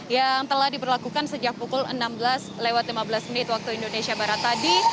yang telah diperlakukan sejak pukul enam belas lima belas waktu indonesia barat tadi